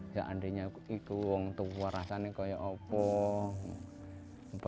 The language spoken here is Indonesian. kalau itu orang tua rasanya seperti apa